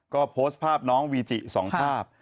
ก็โพสต์ภาพน้องวีจิ๒ภาพ